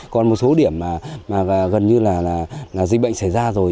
còn một số điểm mà gần như là dịch bệnh xảy ra rồi